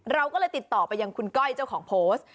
เราก็เลยติดต่อไปยังคุณก้อยเจ้าของโพสต์